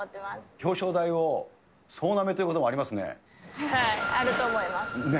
表彰台を総なめということもありますね。